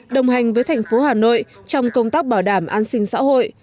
đồng hành với tp hà nội trong công tác bảo đảm an sinh xã hội